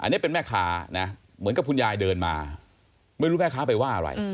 อันนี้เป็นแม่ค้านะเหมือนกับคุณยายเดินมาไม่รู้แม่ค้าไปว่าอะไร